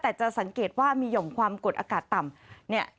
แต่จะสังเกตว่ามีหย่อมความกดอากาศต่ำเนี่ย